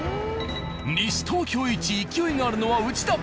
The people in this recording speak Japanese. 西東京一勢いがあるのはウチだ！